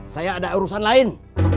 saya ada urusan lain